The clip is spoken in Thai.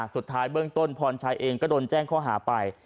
สุดท้ายเบื้องต้นพรชัยเองก็โดนแจ้งข้อหาไป